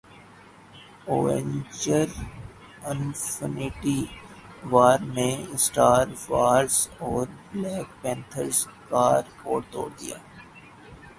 Avenger Infinity وارنے Star Wars اور Black Panther کاریکارڈ توڑدیا